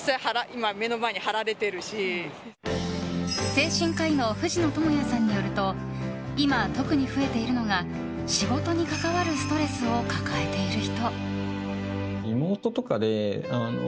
精神科医の藤野智哉さんによると今、特に増えているのが仕事に関わるストレスを抱えている人。